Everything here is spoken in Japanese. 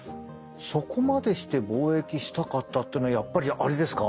そこまでして貿易したかったっていうのはやっぱりあれですか？